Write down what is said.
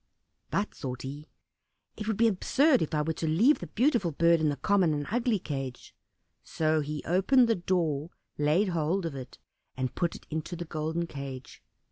"But," thought he, "it would be absurd if I were to leave the beautiful bird in the common and ugly cage," so he opened the door, laid hold of it, and put it into the golden cage.